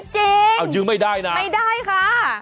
เฮ้ยเอายืมไม่ได้นะมันไม่จริงไม่ได้ค่ะ